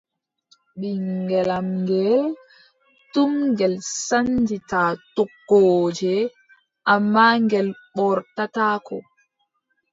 Ɓiŋngel am ngeel, tum ngel sannjita toggooje, ammaa ngel ɓortataako.